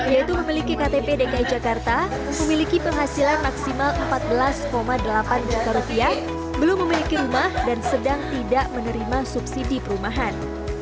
yaitu memiliki ktp dki jakarta memiliki penghasilan maksimal empat belas delapan juta rupiah belum memiliki rumah dan sedang tidak menerima subsidi perumahan